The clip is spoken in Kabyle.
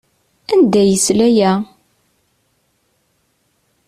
Anda ay yesla aya?